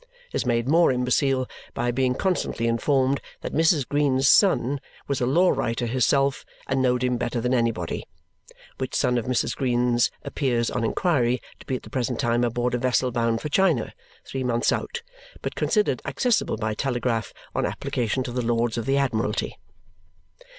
Is made more imbecile by being constantly informed that Mrs. Green's son "was a law writer his self and knowed him better than anybody," which son of Mrs. Green's appears, on inquiry, to be at the present time aboard a vessel bound for China, three months out, but considered accessible by telegraph on application to the Lords of the Admiralty.